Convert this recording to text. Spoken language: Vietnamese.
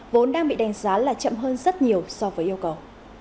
vốn đang bị đánh giá là chậm hơn rất nhiều so với yêu cầu